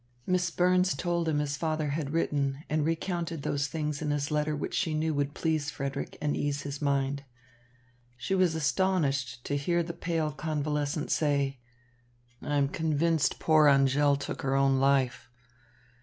Miss Burns told him his father had written and recounted those things in his letter which she knew would please Frederick and ease his mind. She was astonished to hear the pale convalescent say: "I am convinced poor Angèle took her own life.